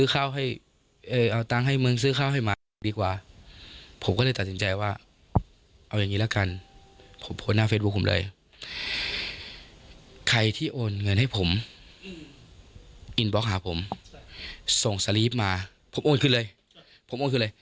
ใครเอาตังค์ให้มึงซื้อข้าวให้มาดีกว่าผมก็เลยตัดสินใจว่าเอาอย่างนี้ละกันผมโพสต์หน้าเฟซบุ๊คผมเลยใครที่โอนเงินให้ผมอินบล็อกหาผมส่งสลีฟมาผมโอนขึ้นเลยผมโอนคืนเลย